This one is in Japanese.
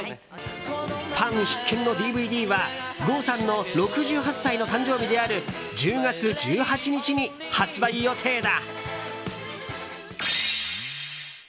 ファン必見のＤＶＤは郷さんの６８歳の誕生日である１０月１８日に発売予定だ。